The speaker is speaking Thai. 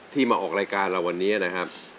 มาออกรายการเราวันนี้นะครับ